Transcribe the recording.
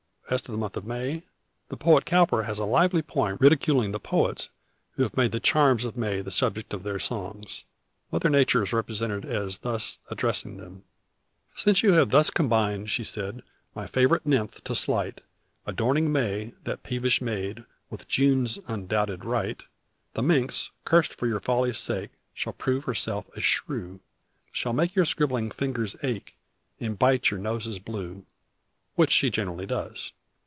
As to the month of May, the poet Cowper has a lively poem ridiculing the poets who have made the charms of May the subject of their songs. Mother Nature is represented as thus addressing them: "'Since you have thus combined,' she said, 'My favorite nymph to slight, Adorning May, that peevish maid, With June's undoubted right, The minx, cursed for your folly's sake, Shall prove herself a shrew; Shall make your scribbling fingers ache, And bite your noses blue.'" Which she generally does.